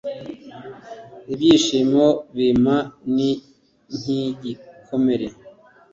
Ibyishimo bimpa ni nkigikomere